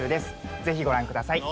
ぜひご覧ください。